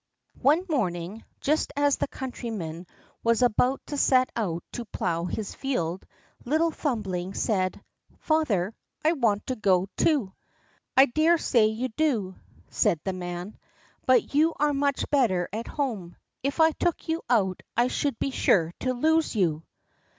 One morning, just as the countryman was about to set out to plow his field, little Thumbling said: "Father, I want to go, too." "I dare say you do," said the man; "but you are much better at home. If I took you out I should be sure to lose you."